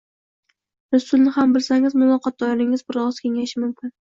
Rus tilini ham bilsangiz, muloqot doirangiz bir oz kengayishi mumkin